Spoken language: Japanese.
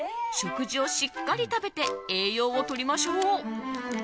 食事をしっかり食べて栄養を取りましょう。